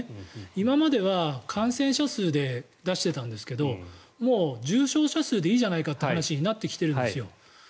今までは感染者数で出していたんですがもう重症者数でいいじゃないかという話になってきているんですよ。